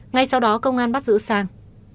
ngay sau đó công an bắt giữ sang